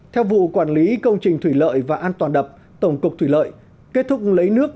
theo vụ quản lý công trình thủy lợi và an toàn đập tổng cục thủy lợi kết thúc lấy nước